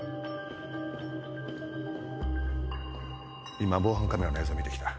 今防犯カメラの映像見て来た。